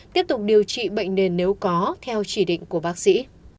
tiếp tục điều trị bệnh nền nếu có theo chỉ định của bác sĩ